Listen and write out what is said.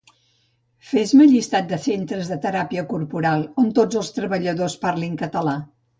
Fes-me llistat dels Centres de Teràpia Corporal on tots els seus treballadors parlin català